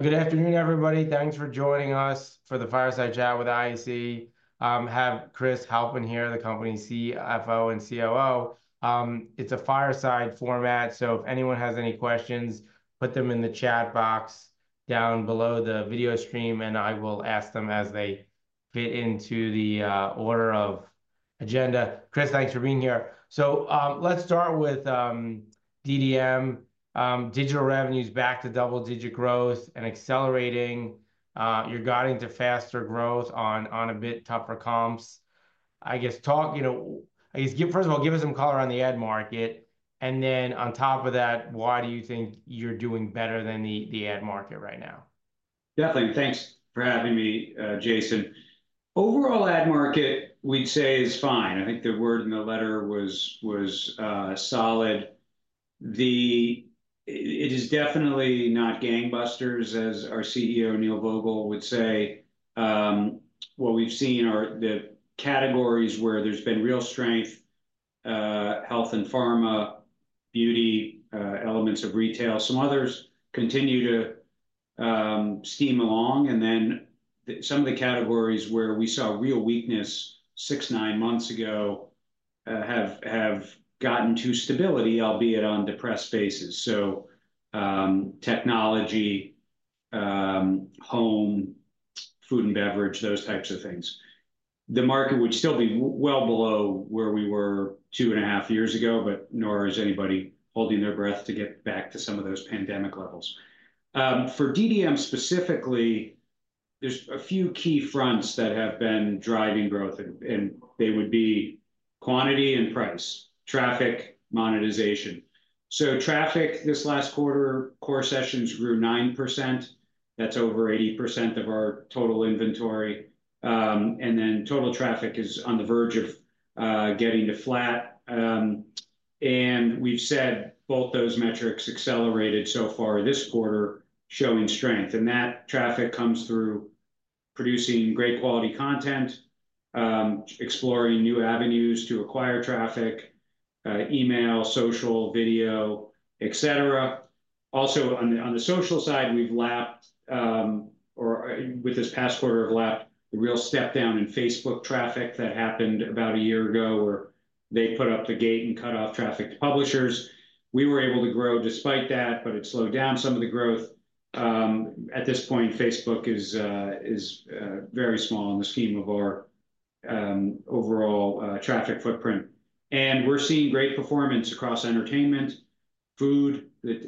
Good afternoon, everybody. Thanks for joining us for the Fireside Chat with IAC. We have Chris Halpin here, the company's CFO and COO. It's a fireside format, so if anyone has any questions, put them in the chat box down below the video stream, and I will ask them as they fit into the order of agenda. Chris, thanks for being here. So, let's start with DDM. Digital revenue's back to double-digit growth and accelerating. You're guiding to faster growth on a bit tougher comps. I guess talk, you know. I guess give, first of all, give us some color on the ad market, and then on top of that, why do you think you're doing better than the ad market right now? Definitely. Thanks for having me, Jason. Overall ad market, we'd say, is fine. I think the word in the letter was solid. It is definitely not gangbusters, as our CEO, Neil Vogel, would say. What we've seen are the categories where there's been real strength, health and pharma, beauty, elements of retail. Some others continue to steam along, and then some of the categories where we saw real weakness six, nine months ago, have gotten to stability, albeit on depressed bases. So, technology, home, food and beverage, those types of things. The market would still be well below where we were two and a half years ago, but nor is anybody holding their breath to get back to some of those pandemic levels. For DDM specifically, there's a few key fronts that have been driving growth, and they would be quantity and price, traffic, monetization. So traffic, this last quarter, core sessions grew 9%. That's over 80% of our total inventory. And then total traffic is on the verge of getting to flat. And we've said both those metrics accelerated so far this quarter, showing strength. And that traffic comes through producing great quality content, exploring new avenues to acquire traffic, email, social, video, et cetera. Also, on the social side, we've lapped, or with this past quarter, we've lapped the real step down in Facebook traffic that happened about a year ago, where they put up the gate and cut off traffic to publishers. We were able to grow despite that, but it slowed down some of the growth. At this point, Facebook is very small in the scheme of our overall traffic footprint. We're seeing great performance across entertainment, food that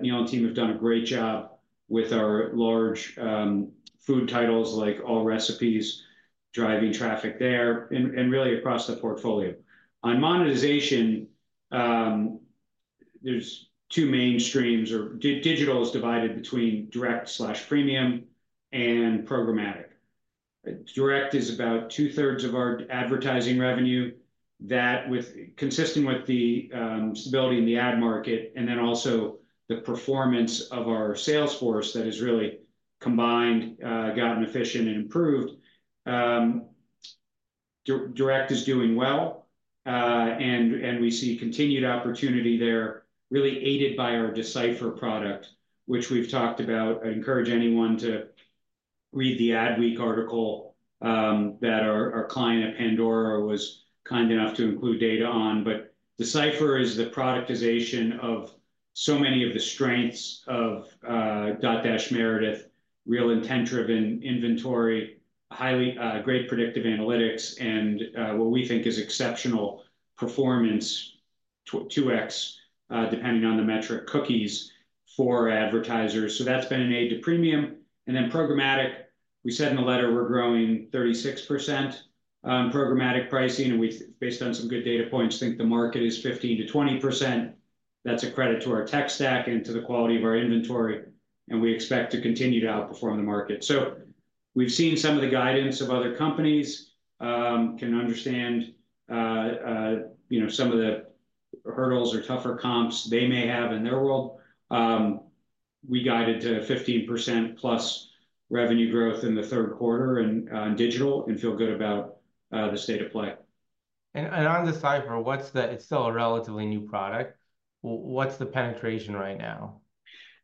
Neil and team have done a great job with our large food titles, like Allrecipes, driving traffic there, and really across the portfolio. On monetization, there's two main streams, or digital is divided between direct/premium and programmatic. Direct is about two-thirds of our advertising revenue, consistent with the stability in the ad market, and then also the performance of our sales force that has really gotten efficient and improved. Direct is doing well, and we see continued opportunity there, really aided by our D/Cipher product, which we've talked about. I'd encourage anyone to read the Adweek article that our client at Pandora was kind enough to include data on. But D/Cipher is the productization of so many of the strengths of Dotdash Meredith, real intent-driven inventory, highly great predictive analytics, and what we think is exceptional performance, 2x, depending on the metric, cookies for advertisers. So that's been an aid to premium. And then programmatic, we said in the letter we're growing 36%, programmatic pricing, and we, based on some good data points, think the market is 15%-20%. That's a credit to our tech stack and to the quality of our inventory, and we expect to continue to outperform the market. So we've seen some of the guidance of other companies, can understand, you know, some of the hurdles or tougher comps they may have in their world. We guided to 15%+ revenue growth in the third quarter in on digital and feel good about the state of play. And on D/Cipher, what's the... It's still a relatively new product. What's the penetration right now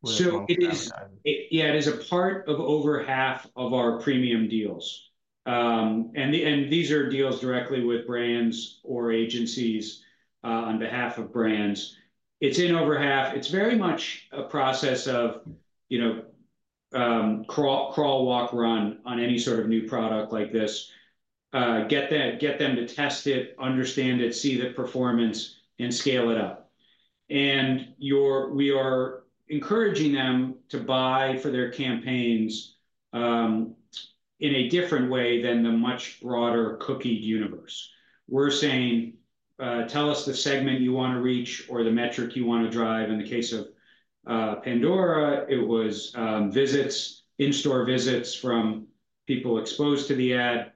with- So it is- Yeah, it is a part of over half of our premium deals. And the, and these are deals directly with brands or agencies on behalf of brands. It's in over half. It's very much a process of, you know, crawl, crawl, walk, run on any sort of new product like this. Get them, get them to test it, understand it, see the performance, and scale it up. And we are encouraging them to buy for their campaigns in a different way than the much broader cookied universe. We're saying, "Tell us the segment you wanna reach or the metric you wanna drive." In the case of Pandora, it was visits, in-store visits from people exposed to the ad,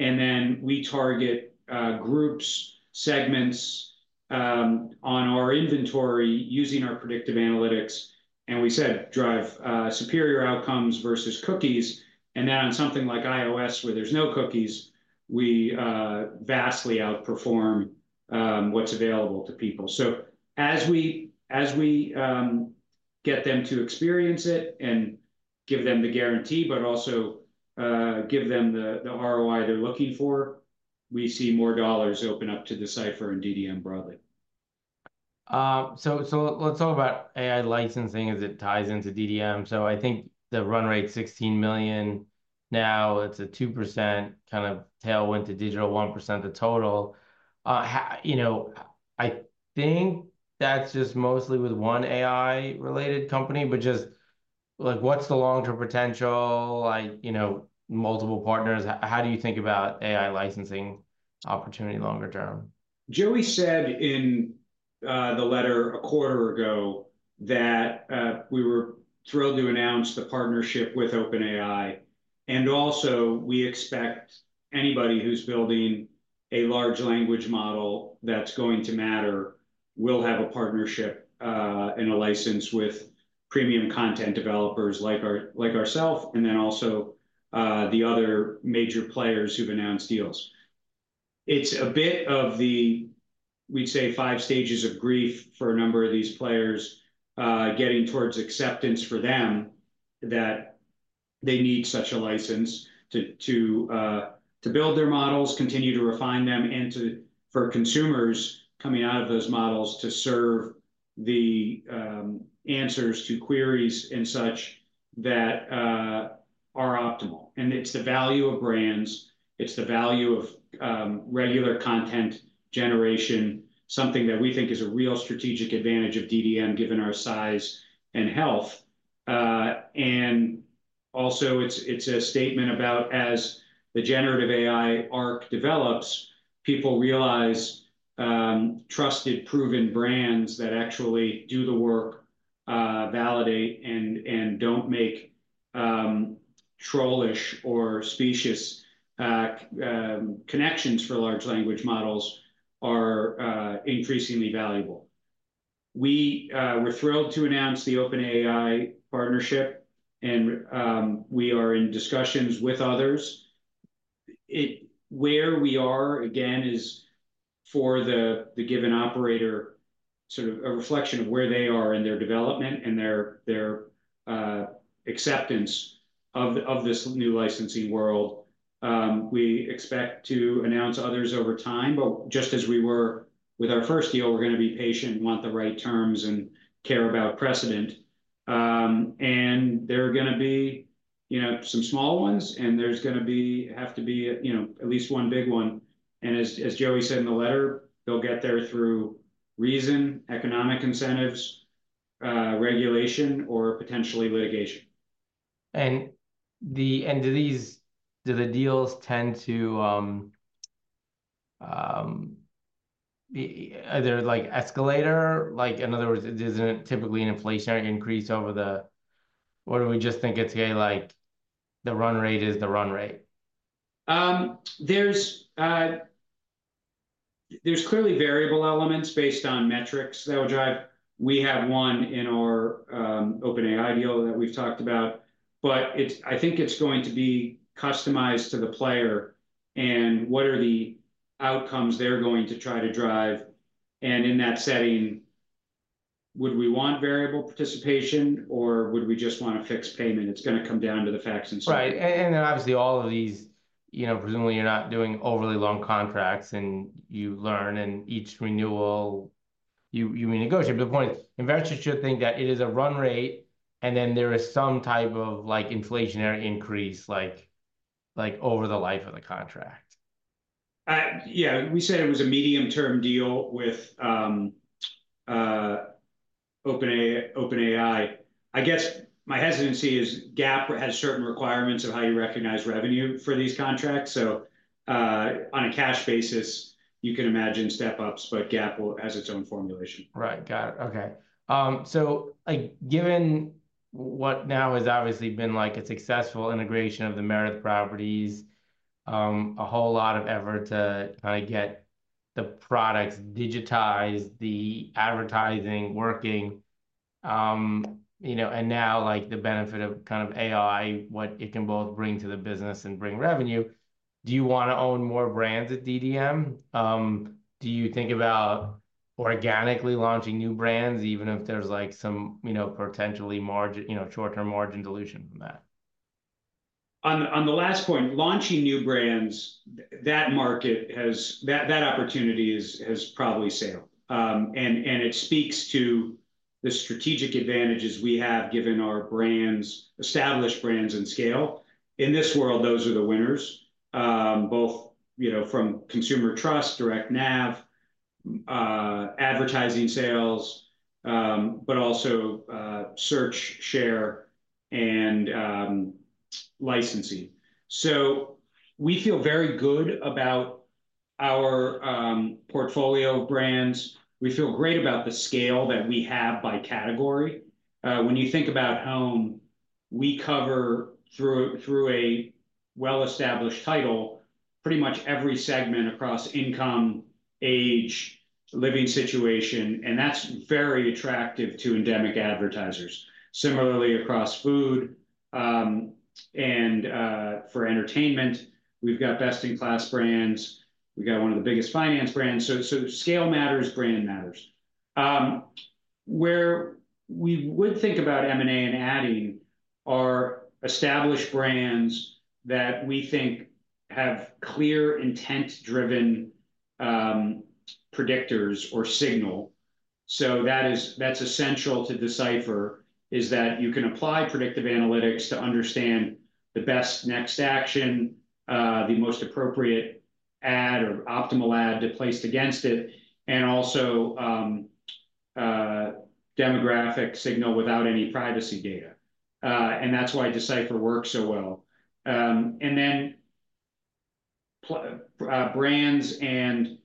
and then we target groups, segments on our inventory using our predictive analytics, and we said, drive superior outcomes versus cookies. And then on something like iOS, where there's no cookies, we vastly outperform what's available to people. So as we get them to experience it and give them the guarantee, but also give them the ROI they're looking for, we see more dollars open up to D/Cipher and DDM broadly. So, so let's talk about AI licensing as it ties into DDM. So I think the run rate $16 million, now it's a 2% kind of tailwind to digital, 1% the total. You know, I think that's just mostly with one AI-related company, but just, like, what's the long-term potential, like, you know, multiple partners? How do you think about AI licensing opportunity longer term? Joey said in the letter a quarter ago that we were thrilled to announce the partnership with OpenAI, and also we expect anybody who's building a large language model that's going to matter will have a partnership and a license with premium content developers like our—like ourself, and then also the other major players who've announced deals. It's a bit of the, we'd say, five stages of grief for a number of these players getting towards acceptance for them, that they need such a license to to build their models, continue to refine them, and to... for consumers coming out of those models to serve the answers to queries and such that are optimal. It's the value of brands, it's the value of regular content generation, something that we think is a real strategic advantage of DDM, given our size and health. And also, it's a statement about as the generative AI arc develops, people realize trusted, proven brands that actually do the work, validate, and don't make trollish or specious connections for large language models are increasingly valuable. We're thrilled to announce the OpenAI partnership, and we are in discussions with others. Where we are, again, is for the given operator, sort of a reflection of where they are in their development and their acceptance of this new licensing world. We expect to announce others over time, but just as we were with our first deal, we're gonna be patient and want the right terms and care about precedent. And there are gonna be, you know, some small ones, and there's gonna be, have to be, you know, at least one big one. And as, as Joey said in the letter, they'll get there through reason, economic incentives, regulation, or potentially litigation. And do these deals tend to—are there, like, escalator? Like, in other words, is there typically an inflationary increase over the—or do we just think it's, yeah, like, the run rate is the run rate? There's clearly variable elements based on metrics that will drive. We have one in our OpenAI deal that we've talked about, but it's—I think it's going to be customized to the player and what are the outcomes they're going to try to drive. And in that setting, would we want variable participation, or would we just want a fixed payment? It's gonna come down to the facts and— Right. And then obviously, all of these, you know, presumably you're not doing overly long contracts, and you learn, and each renewal, you renegotiate. But the point is, investors should think that it is a run rate, and then there is some type of, like, inflationary increase, like, over the life of the contract. Yeah, we said it was a medium-term deal with OpenAI, OpenAI. I guess my hesitancy is GAAP has certain requirements of how you recognize revenue for these contracts, so on a cash basis, you can imagine step-ups, but GAAP has its own formulation. Right. Got it. Okay. So, like, given what now has obviously been, like, a successful integration of the Meredith properties, a whole lot of effort to kinda get the products digitized, the advertising working, you know, and now, like, the benefit of kind of AI, what it can both bring to the business and bring revenue, do you wanna own more brands at DDM? Do you think about organically launching new brands, even if there's, like, some, you know, potentially margin, you know, short-term margin dilution from that? On the last point, launching new brands, that market has... That opportunity has probably sailed. It speaks to the strategic advantages we have, given our brands, established brands and scale. In this world, those are the winners, both, you know, from consumer trust, direct nav, advertising sales, but also, search, share, and licensing. So we feel very good about our portfolio of brands. We feel great about the scale that we have by category. When you think about home, we cover through a well-established title, pretty much every segment across income, age, living situation, and that's very attractive to endemic advertisers. Similarly, across food, and for entertainment, we've got best-in-class brands. We've got one of the biggest finance brands. So scale matters, brand matters. Where we would think about M&A and adding our established brands that we think have clear, intent-driven, predictors or signal. So that's essential to D/Cipher, is that you can apply predictive analytics to understand the best next action, the most appropriate ad or optimal ad to place against it, and also, demographic signal without any privacy data. And that's why D/Cipher works so well. And then brands and,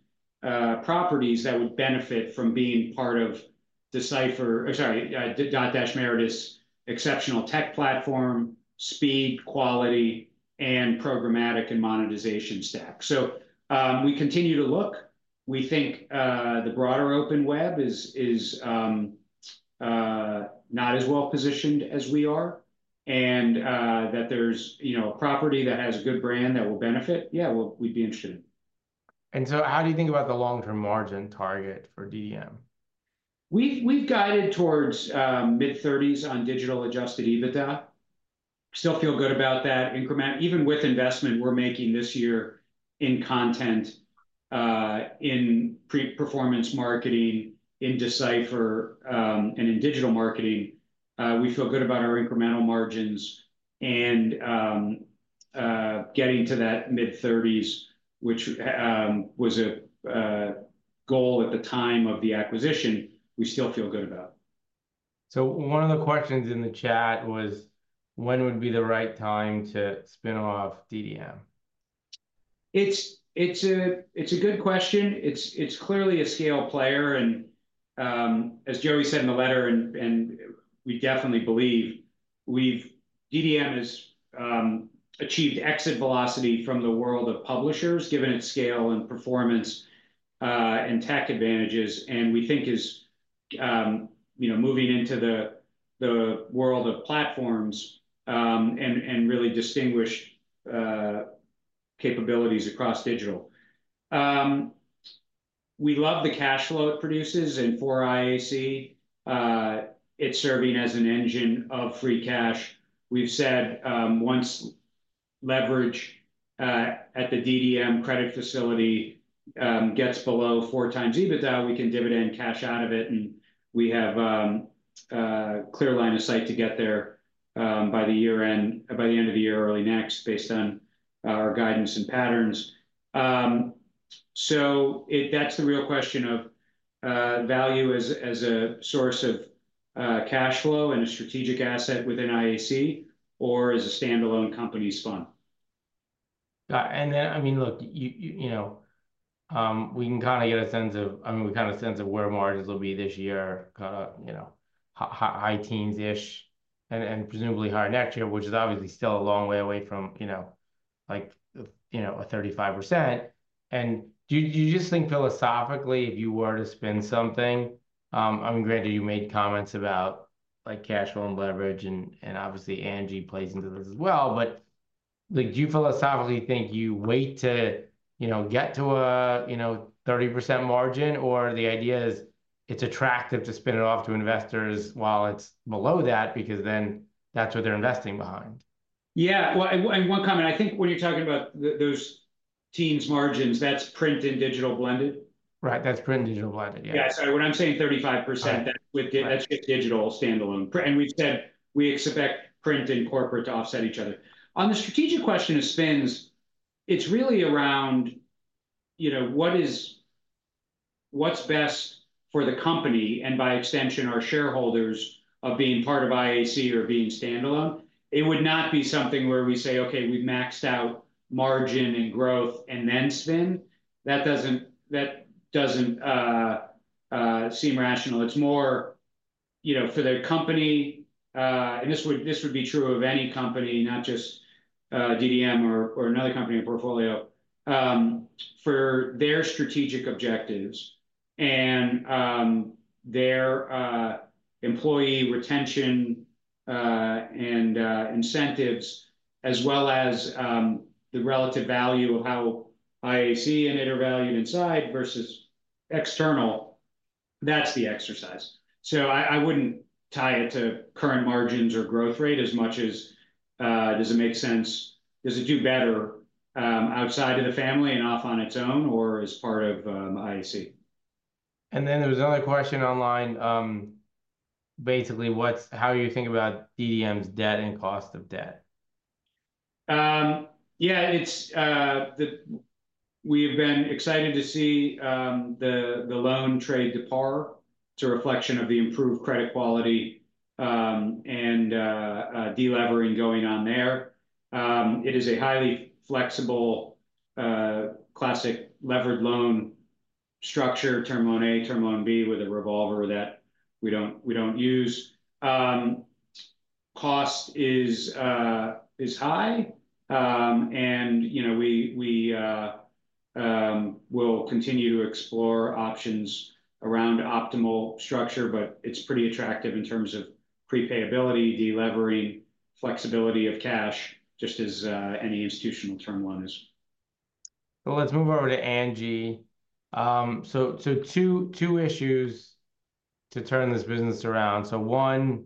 properties that would benefit from being part of D/Cipher-- or sorry, Dotdash Meredith's exceptional tech platform, speed, quality, and programmatic and monetization stack. So, we continue to look. We think, the broader open web is, not as well-positioned as we are, and, that there's, you know, a property that has a good brand that will benefit, yeah, we'd be interested. How do you think about the long-term margin target for DDM? We've guided towards mid-30s on digital Adjusted EBITDA. Still feel good about that increment. Even with investment we're making this year in content, in paid performance marketing, in D/Cipher, and in digital marketing, we feel good about our incremental margins and getting to that mid-30s, which was a goal at the time of the acquisition, we still feel good about. One of the questions in the chat was: When would be the right time to spin off DDM? It's a good question. It's clearly a scale player, and, as Joey said in the letter, and we definitely believe, we've DDM has achieved exit velocity from the world of publishers, given its scale and performance, and tech advantages, and we think is, you know, moving into the world of platforms, and really distinguish capabilities across digital. We love the cash flow it produces, and for IAC, it's serving as an engine of free cash. We've said, once leverage at the DDM credit facility gets below 4x EBITDA, we can dividend cash out of it, and we have clear line of sight to get there, by the year-end, by the end of the year or early next, based on our guidance and patterns. That's the real question of value as a source of cash flow and a strategic asset within IAC or as a standalone company spun. And then, I mean, look, you know, we can kinda get a sense of, I mean, we've got a sense of where margins will be this year, you know, high teens-ish, and presumably higher next year, which is obviously still a long way away from, you know, like, you know, a 35%. And do you just think philosophically, if you were to spin something, I mean, granted, you made comments about, like, cash flow and leverage, and obviously, Angi plays into this as well. But, like, do you philosophically think you wait to, you know, get to a, you know, 30% margin, or the idea is it's attractive to spin it off to investors while it's below that, because then that's what they're investing behind? Yeah. Well, and one comment, I think when you're talking about those teens margins, that's print and digital blended? Right, that's print and digital blended, yeah. Yeah, sorry. When I'm saying 35%- Right... that's with, that's just digital standalone. And we've said we expect print and corporate to offset each other. On the strategic question of spins, it's really around, you know, what's best for the company, and by extension, our shareholders, of being part of IAC or being standalone. It would not be something where we say, "Okay, we've maxed out margin and growth," and then spin. That doesn't seem rational. It's more, you know, for the company, and this would be true of any company, not just DDM or another company in portfolio, for their strategic objectives and their employee retention, and incentives, as well as the relative value of how IAC and it are valued inside versus external. That's the exercise. I wouldn't tie it to current margins or growth rate as much as, does it make sense—does it do better, outside of the family and off on its own, or as part of, IAC? There was another question online, basically, how you think about DDM's debt and cost of debt? Yeah, it's. We've been excited to see the loan trade to par. It's a reflection of the improved credit quality and delevering going on there. It is a highly flexible classic levered loan structure, Term Loan A, Term Loan B, with a revolver that we don't use. Cost is high. And, you know, we will continue to explore options around optimal structure, but it's pretty attractive in terms of prepayability, delevering, flexibility of cash, just as any institutional term loan is. Well, let's move over to Angi. So 2 issues to turn this business around. So one,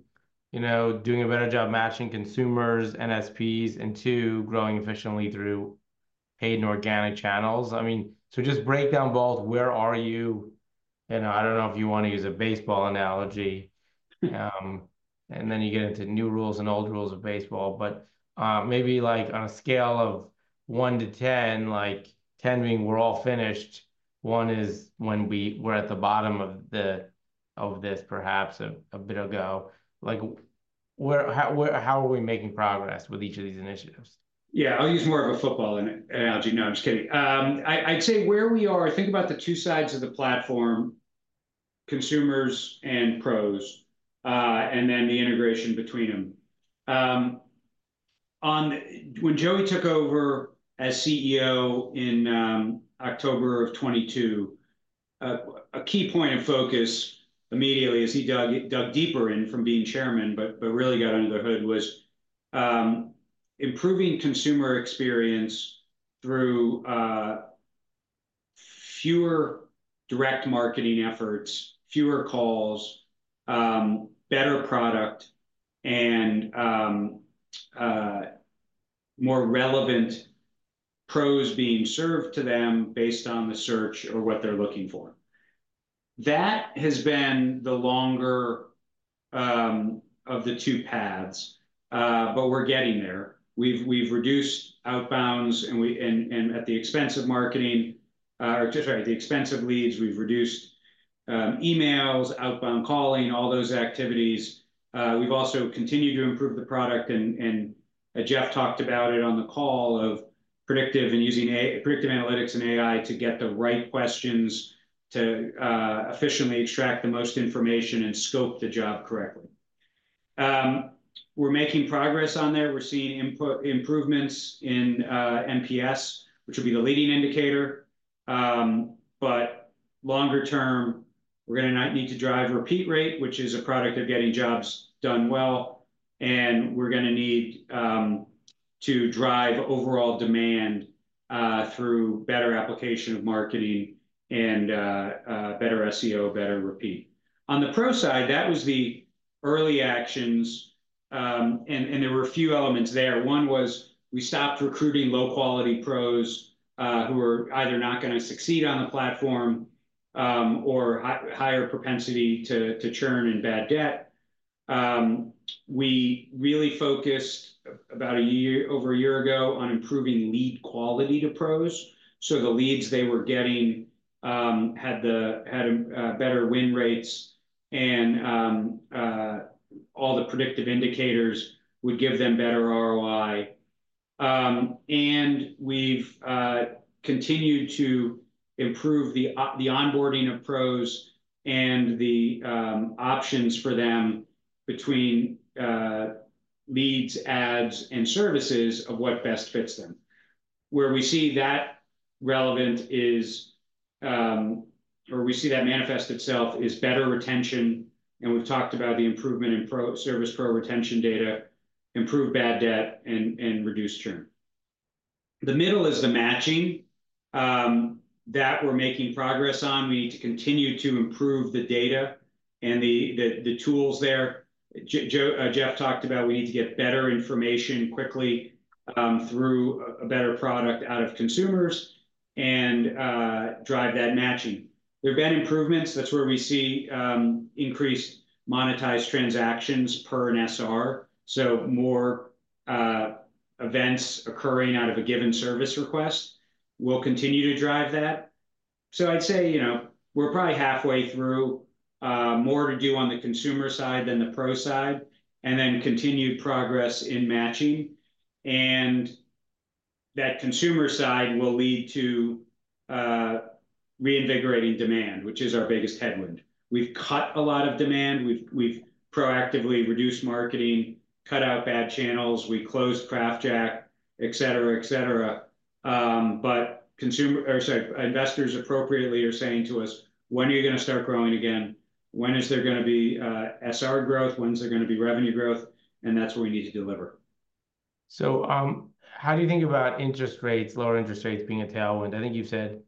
you know, doing a better job matching consumers and SPs, and two, growing efficiently through paid and organic channels. I mean, so just break down both. Where are you? You know, I don't know if you wanna use a baseball analogy, and then you get into new rules and old rules of baseball. But maybe, like, on a scale of 1 to 10, like 10 being we're all finished, 1 is when we're at the bottom of this, perhaps a bit ago. Like, where, how are we making progress with each of these initiatives? Yeah, I'll use more of a football analogy. No, I'm just kidding. I'd say where we are, think about the two sides of the platform, consumers and pros, and then the integration between them. When Joey took over as CEO in October of 2022, a key point of focus immediately as he dug deeper in from being chairman but really got under the hood, was improving consumer experience through fewer direct marketing efforts, fewer calls, better product, and more relevant pros being served to them based on the search or what they're looking for. That has been the longer of the two paths, but we're getting there. We've reduced outbounds, and at the expense of marketing, just right, at the expense of leads, we've reduced emails, outbound calling, all those activities. We've also continued to improve the product, and as Jeff talked about it on the call, of predictive and using predictive analytics and AI to get the right questions to efficiently extract the most information and scope the job correctly. We're making progress on there. We're seeing input improvements in NPS, which will be the leading indicator. But longer term, we're gonna now need to drive repeat rate, which is a product of getting jobs done well, and we're gonna need to drive overall demand through better application of marketing and better SEO, better repeat. On the pro side, that was the early actions, and there were a few elements there. One was we stopped recruiting low-quality pros, who were either not gonna succeed on the platform, or higher propensity to churn in bad debt. We really focused about a year, over a year ago on improving lead quality to pros, so the leads they were getting had better win rates and all the predictive indicators would give them better ROI. And we've continued to improve the onboarding of pros and the options for them between leads, ads, and services of what best fits them. Where we see that relevant is, or we see that manifest itself, is better retention, and we've talked about the improvement in pro service pro retention data, improved bad debt, and reduced churn. The middle is the matching that we're making progress on. We need to continue to improve the data and the tools there. Jeff talked about we need to get better information quickly, through a better product out of consumers and drive that matching. There have been improvements. That's where we see increased monetized transactions per an SR, so more events occurring out of a given service request. We'll continue to drive that. So I'd say, you know, we're probably halfway through, more to do on the consumer side than the pro side, and then continued progress in matching. That consumer side will lead to reinvigorating demand, which is our biggest headwind. We've cut a lot of demand. We've proactively reduced marketing, cut out bad channels, we closed CraftJack, et cetera, et cetera. But consumer, or sorry, investors appropriately are saying to us, "When are you gonna start growing again? When is there gonna be SR growth? When is there gonna be revenue growth?" And that's where we need to deliver. So, how do you think about interest rates, lower interest rates being a tailwind? I think you've said,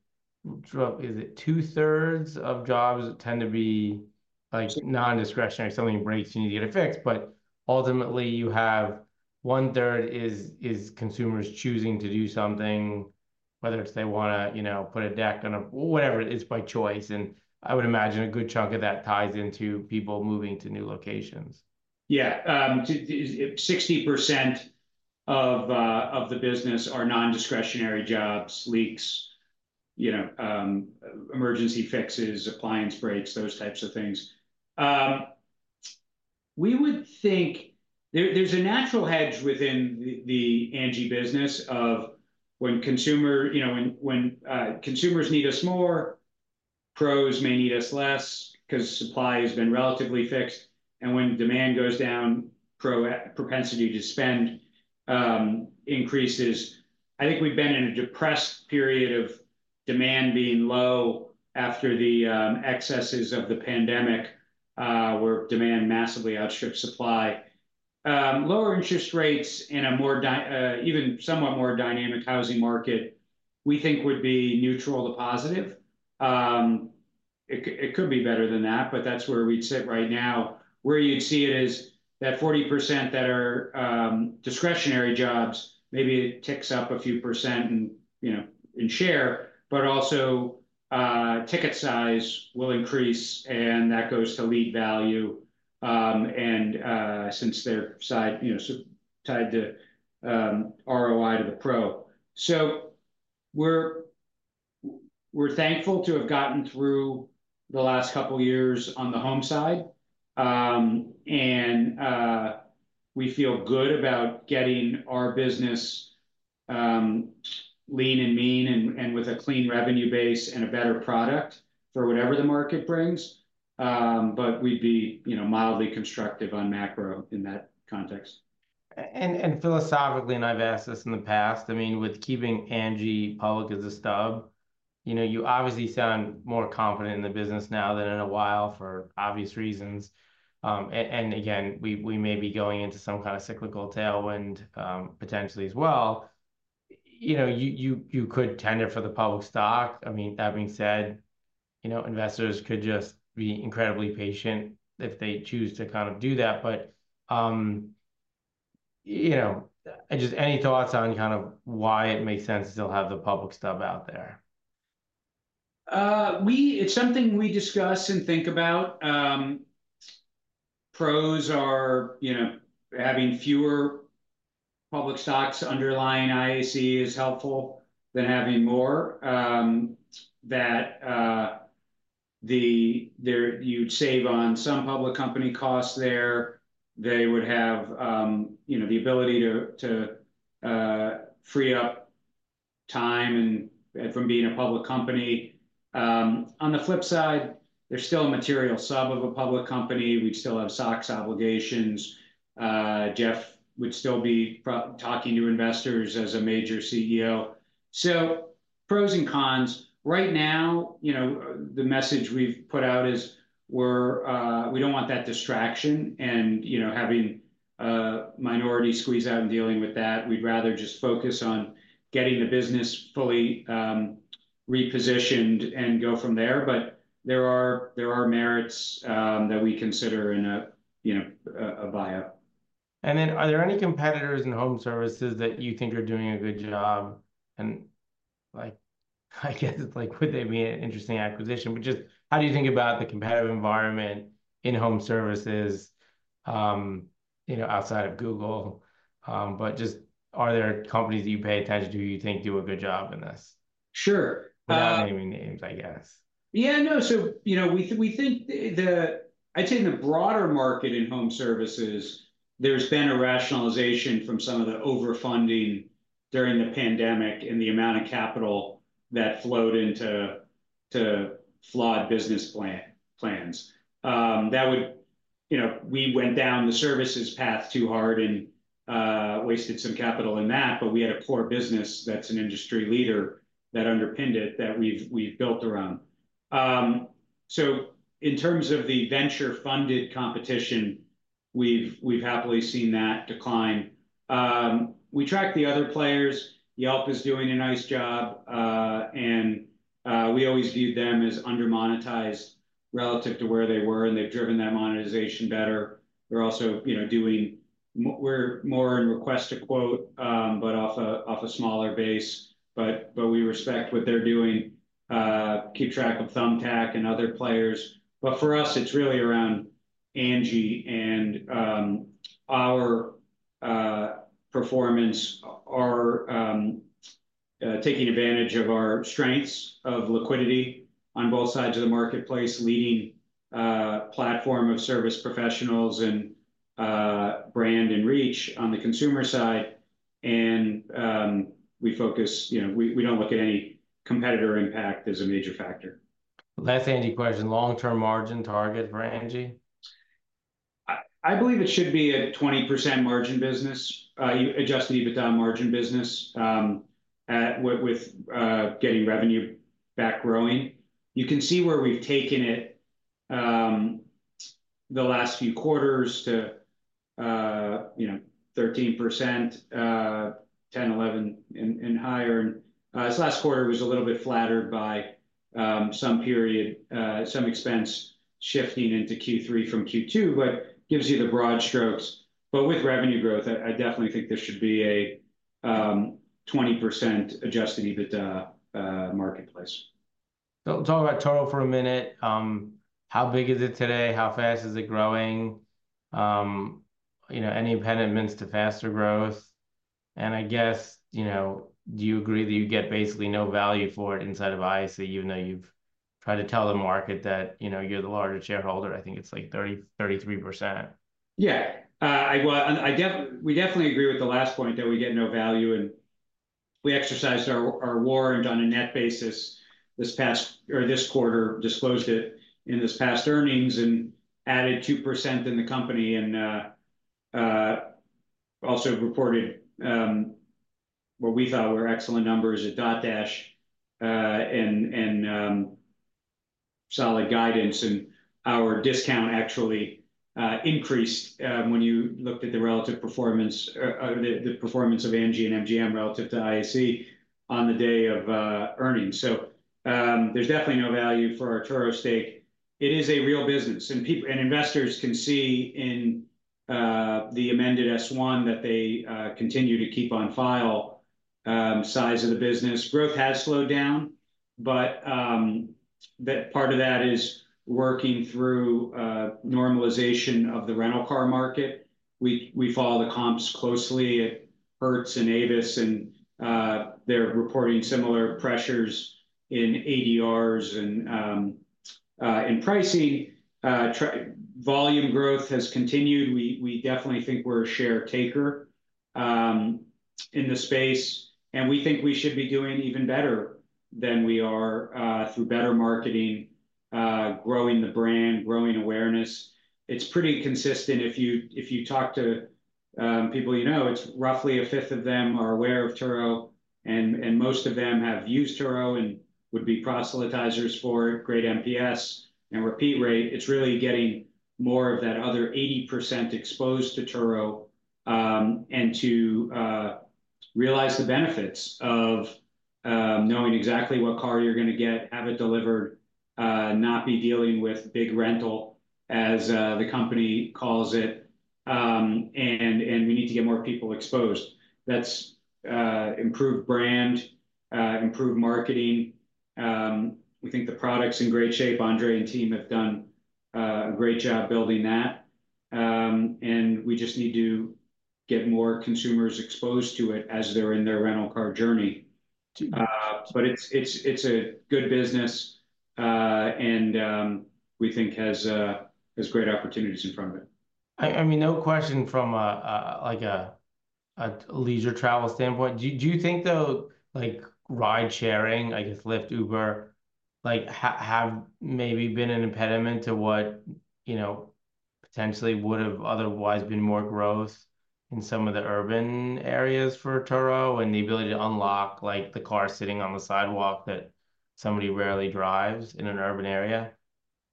is it two-thirds of jobs tend to be, like, non-discretionary, something breaks, you need to get it fixed. But ultimately, you have one-third is consumers choosing to do something, whether it's they wanna, you know, put a deck on a... Whatever, it's by choice, and I would imagine a good chunk of that ties into people moving to new locations. Yeah, 60% of the business are non-discretionary jobs, leaks, you know, emergency fixes, appliance breaks, those types of things. We would think... There's a natural hedge within the Angi business of when consumers, you know, when consumers need us more, pros may need us less, 'cause supply has been relatively fixed, and when demand goes down, pro propensity to spend increases. I think we've been in a depressed period of demand being low after the excesses of the pandemic, where demand massively outstripped supply. Lower interest rates in a more even somewhat more dynamic housing market, we think would be neutral to positive. It could be better than that, but that's where we'd sit right now. Where you'd see it is that 40% that are discretionary jobs, maybe it ticks up a few percent in, you know, in share, but also, ticket size will increase, and that goes to lead value. And, since they're tied to ROI to the pro. So we're thankful to have gotten through the last couple of years on the home side. And, we feel good about getting our business lean and mean, and with a clean revenue base and a better product for whatever the market brings. But we'd be, you know, mildly constructive on macro in that context. And philosophically, and I've asked this in the past, I mean, with keeping Angi public as a stub, you know, you obviously sound more confident in the business now than in a while, for obvious reasons. And again, we, we may be going into some kind of cyclical tailwind, potentially as well. You know, you could tender for the public stock. I mean, that being said, you know, investors could just be incredibly patient if they choose to kind of do that, but, you know, just any thoughts on kind of why it makes sense to still have the public stub out there? It's something we discuss and think about. Pros are, you know, having fewer public stocks underlying IAC is helpful than having more. You'd save on some public company costs there. They would have, you know, the ability to free up time from being a public company. On the flip side, there's still a material subset of a public company. We'd still have SOX obligations. Jeff would still be probably talking to investors as a major CEO. So pros and cons. Right now, you know, the message we've put out is we don't want that distraction and, you know, having a minority squeeze out and dealing with that. We'd rather just focus on getting the business fully repositioned and go from there. But there are merits that we consider in a, you know, buyout. And then, are there any competitors in home services that you think are doing a good job? And like, I guess, like, would they be an interesting acquisition? But just how do you think about the competitive environment in home services, you know, outside of Google, but just are there companies that you pay attention to, you think do a good job in this? Sure, uh- Without naming names, I guess. Yeah, no. So, you know, we think the... I'd say in the broader market in home services, there's been a rationalization from some of the overfunding during the pandemic and the amount of capital that flowed into flawed business plans. You know, we went down the services path too hard and wasted some capital in that, but we had a core business that's an industry leader that underpinned it, that we've built around. So, in terms of the venture-funded competition, we've happily seen that decline. We tracked the other players. Yelp is doing a nice job, and we always viewed them as under-monetized relative to where they were, and they've driven that monetization better. They're also, you know, doing. We're more in request a quote, but off a smaller base, but we respect what they're doing. Keep track of Thumbtack and other players. But for us, it's really around Angi and our performance, our taking advantage of our strengths of liquidity on both sides of the marketplace, leading platform of service professionals and brand and reach on the consumer side. And we focus. You know, we don't look at any competitor impact as a major factor. Last Angi question: long-term margin target for Angi? I believe it should be a 20% margin business, Adjusted EBITDA margin business, at... with, with, getting revenue back growing. You can see where we've taken it, the last few quarters to, you know, 13%, 10, 11, and higher. And this last quarter was a little bit flattered by, some period, some expense shifting into Q3 from Q2, but gives you the broad strokes. But with revenue growth, I definitely think there should be a 20% Adjusted EBITDA marketplace. So talk about Turo for a minute. How big is it today? How fast is it growing? You know, any impediments to faster growth? And I guess, you know, do you agree that you get basically no value for it inside of IAC, even though you've tried to tell the market that, you know, you're the largest shareholder? I think it's like 33%. Yeah. Well, we definitely agree with the last point, that we get no value in—we exercised our warrant on a net basis this past quarter, disclosed it in this past earnings and added 2% in the company. And also reported what we thought were excellent numbers at Dotdash and solid guidance. Our discount actually increased when you looked at the relative performance, the performance of Angi and MGM relative to IAC on the day of earnings. So, there's definitely no value for our Turo stake. It is a real business, and investors can see in the amended S-1 that they continue to keep on file, size of the business. Growth has slowed down, but that part of that is working through normalization of the rental car market. We follow the comps closely at Hertz and Avis, and they're reporting similar pressures in ADRs. And in pricing, volume growth has continued. We definitely think we're a share taker in the space, and we think we should be doing even better than we are through better marketing, growing the brand, growing awareness. It's pretty consistent. If you talk to people you know, it's roughly a fifth of them are aware of Turo, and most of them have used Turo and would be proselytizers for great NPS and repeat rate. It's really getting more of that other 80% exposed to Turo, and to realize the benefits of knowing exactly what car you're gonna get, have it delivered, not be dealing with big rental, as the company calls it. And we need to get more people exposed. That's improved brand, improved marketing. We think the product's in great shape. Andre and team have done a great job building that. And we just need to get more consumers exposed to it as they're in their rental car journey. But it's a good business, and we think has great opportunities in front of it. I mean, no question from a like a leisure travel standpoint. Do you think, though, like, ride-sharing, I guess Lyft, Uber, like, have maybe been an impediment to what, you know, potentially would have otherwise been more growth in some of the urban areas for Turo and the ability to unlock, like, the car sitting on the sidewalk that somebody rarely drives in an urban area?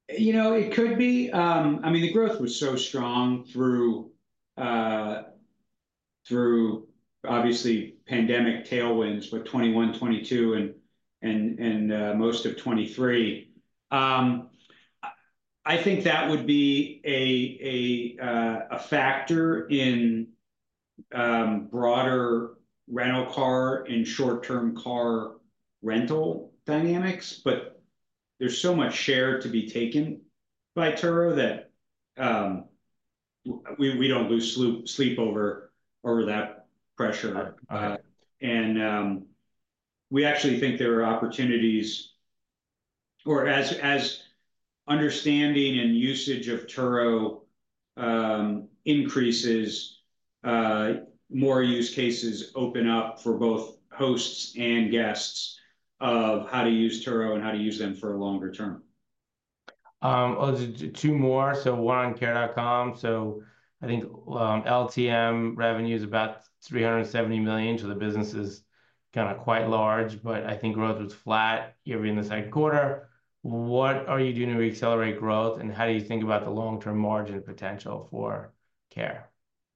You know, it could be. I mean, the growth was so strong through obviously pandemic tailwinds with 2021, 2022 and most of 2023. I think that would be a factor in broader rental car and short-term car rental dynamics, but there's so much share to be taken by Turo that we don't lose sleep over that pressure. Right. We actually think there are opportunities... Or as understanding and usage of Turo increases, more use cases open up for both hosts and guests of how to use Turo and how to use them for a longer term. Two more, so one on Care.com. So I think, LTM revenue is about $370 million, so the business is kinda quite large, but I think growth was flat year in the second quarter. What are you doing to accelerate growth, and how do you think about the long-term margin potential for Care.com?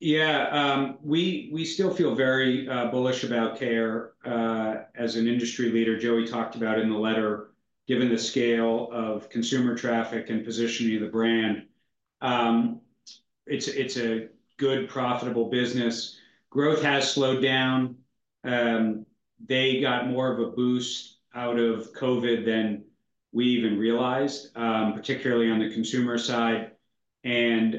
Yeah, we still feel very bullish about Care. As an industry leader, Joey talked about in the letter, given the scale of consumer traffic and positioning the brand, it's a good, profitable business. Growth has slowed down. They got more of a boost out of COVID than we even realized, particularly on the consumer side, and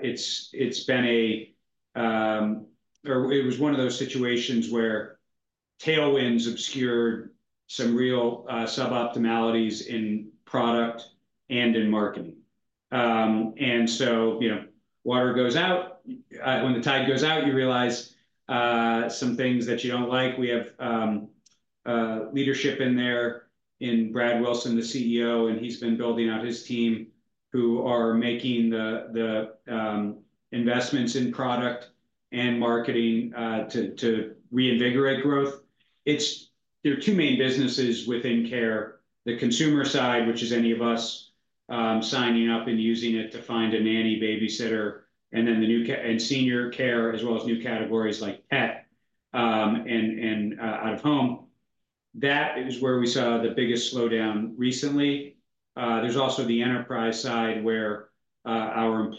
it's been a, or it was one of those situations where tailwinds obscured some real suboptimalities in product and in marketing. And so, you know, water goes out when the tide goes out, you realize some things that you don't like. We have leadership in there in Brad Wilson, the CEO, and he's been building out his team, who are making the investments in product and marketing to reinvigorate growth. There are two main businesses within care: the consumer side, which is any of us signing up and using it to find a nanny, babysitter, and then the new and senior care, as well as new categories like pet and out of home. That is where we saw the biggest slowdown recently. There's also the enterprise side, where our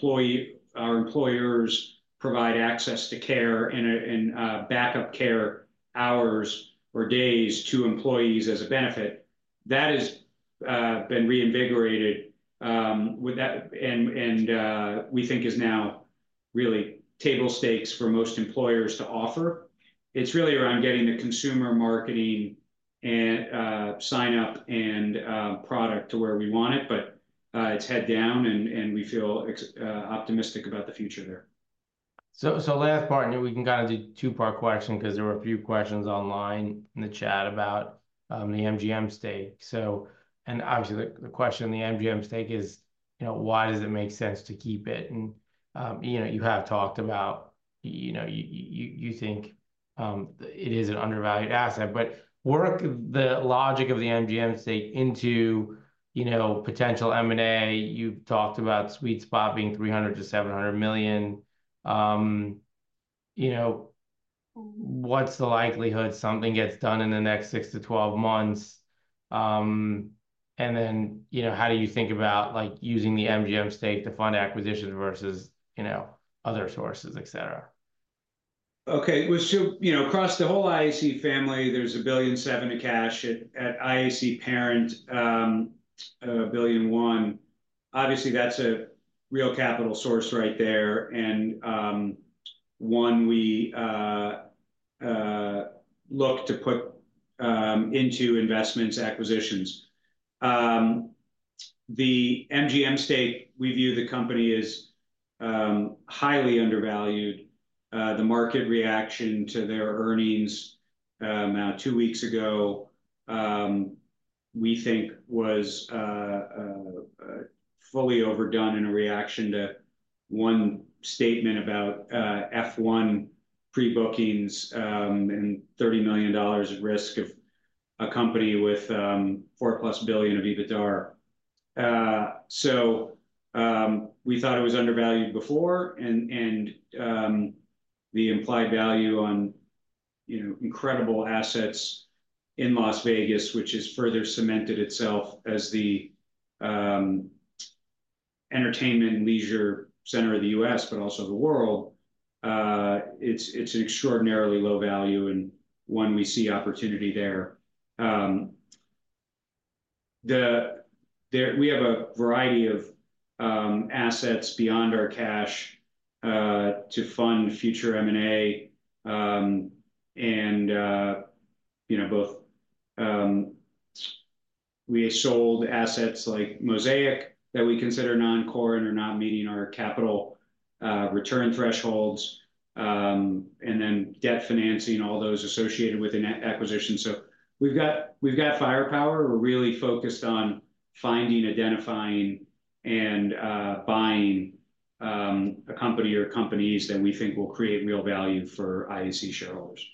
employers provide access to care and backup care hours or days to employees as a benefit. That has been reinvigorated with that, and we think is now really table stakes for most employers to offer. It's really around getting the consumer marketing and sign up and product to where we want it. But it's head down, and we feel optimistic about the future there. So, last part, and we can go into a two-part question, 'cause there were a few questions online in the chat about the MGM stake. So - and obviously, the question on the MGM stake is, you know, why does it make sense to keep it? And, you know, you have talked about, you know, you think it is an undervalued asset. But work the logic of the MGM stake into, you know, potential M&A. You've talked about sweet spot being $300 million-$700 million. You know, what's the likelihood something gets done in the next six to 12 months? And then, you know, how do you think about, like, using the MGM stake to fund acquisitions versus, you know, other sources, et cetera? Okay, well, so, you know, across the whole IAC family, there's $1.7 billion of cash at IAC parent, $1.1 billion. Obviously, that's a real capital source right there, and one we look to put into investments, acquisitions. The MGM stake, we view the company as highly undervalued. The market reaction to their earnings now two weeks ago, we think was fully overdone in a reaction to one statement about F1 pre-bookings, and $30 million at risk of a company with $4+ billion of EBITDA. So, we thought it was undervalued before, and the implied value on, you know, incredible assets in Las Vegas, which has further cemented itself as the entertainment and leisure center of the U.S., but also the world. It's, it's an extraordinarily low value, and one we see opportunity there. We have a variety of assets beyond our cash to fund future M&A. And you know, both. We have sold assets like Mosaic that we consider non-core and are not meeting our capital return thresholds, and then debt financing, all those associated with an acquisition. So we've got, we've got firepower. We're really focused on finding, identifying, and buying a company or companies that we think will create real value for IAC shareholders.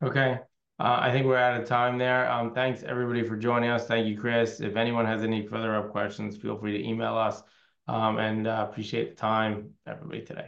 Okay, I think we're out of time there. Thanks everybody for joining us. Thank you, Chris. If anyone has any further questions, feel free to email us, and appreciate the time, everybody, today.